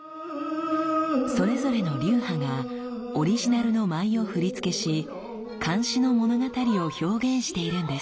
それぞれの流派がオリジナルの舞を振り付けし漢詩の物語を表現しているんです。